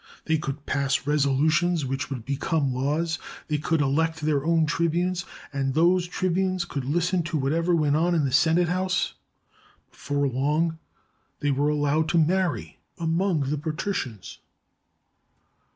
They could pass resolutions which would become laws; they could elect their own tribunes, and those tribunes could listen to whatever went on in the Senate house. Before long, they were allowed to marry among the patricians.